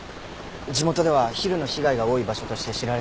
地元ではヒルの被害が多い場所として知られています。